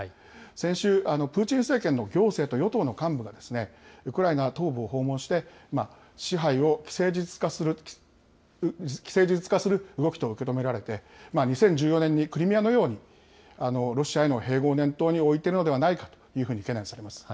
先週、プーチン政権の行政と与党の幹部がウクライナ東部を訪問して、支配を既成事実化する動きと受け止められて、２０１４年にクリミアのように、ロシアへの併合を念頭に置いているのではないかというふうに懸念されます。